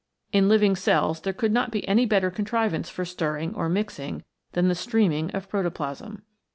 In living cells there could not be any better contrivance for stirring or mixing than the streaming of protoplasm.